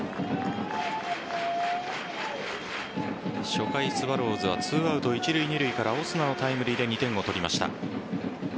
初回、スワローズは２アウト一塁・二塁からオスナのタイムリーで２点を取りました。